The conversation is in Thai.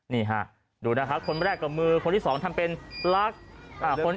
นี่ฮะดูนะคะคนแรกกับมือคนที่สองทำเป็นรัก